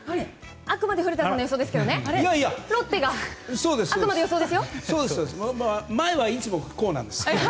あくまで古田さんの予想ですが前はいつもこうなんです。